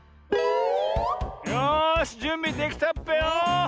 よしじゅんびできたっぺよ！